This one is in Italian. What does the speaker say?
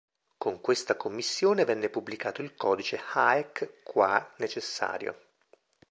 Con questa commissione venne pubblicato il codice "Haec quae necessario".